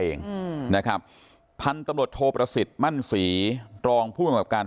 เองอืมนะครับพันธุ์ตำรวจโทประสิทธิ์มั่นศรีรองผู้กำกับการ